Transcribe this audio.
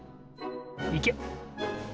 いけ！